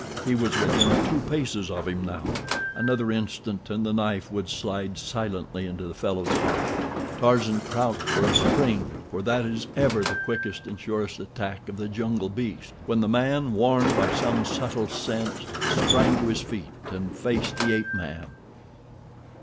He was within two paces of him now—another instant and the knife would slide silently into the fellow's heart. Tarzan crouched for a spring, for that is ever the quickest and surest attack of the jungle beast—when the man, warned, by some subtle sense, sprang to his feet and faced the ape man.